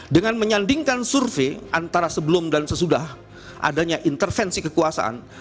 dengan menyandingkan survei antara sebelum dan sesudah adanya intervensi kekuasaan